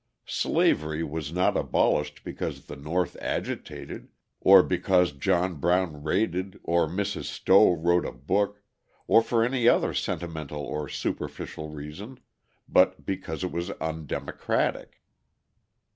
Slavery was not abolished because the North agitated, or because John Brown raided or Mrs. Stowe wrote a book, or for any other sentimental or superficial reason, but because it was undemocratic.